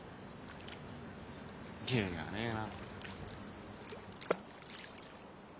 芸がねえな。